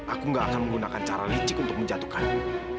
aku gak akan menggunakan cara licik untuk menjatuhkanku